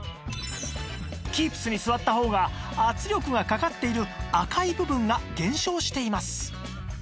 Ｋｅｅｐｓ に座った方が圧力がかかっている赤い部分が減少しています